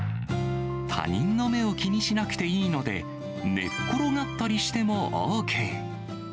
他人の目を気にしなくていいので、寝っ転がったりしてもＯＫ。